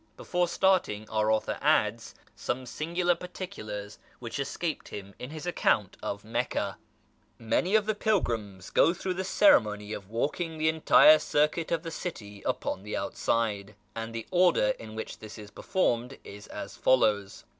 Before starting our author adds some singular particulars which escaped him in his account of Meccah. Many of the pilgrims go through the ceremony of walking the entire circuit of the city upon the outside; and the order in which this is performed is as follows.